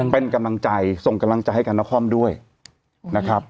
เป็นกำลังใจส่งกำลังใจให้กับนครด้วยนะครับ